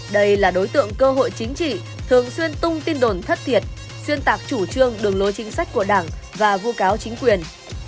đây là đối tượng cơ hội chính trị thường xuyên tung tin đồn thất thiệt xuyên tạc chủ trương đường lối chính sách của đảng và vu cáo chính quyền